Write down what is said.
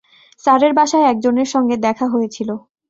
স্যারের বাসায় একজনের সঙ্গে দেখা হয়েছিল।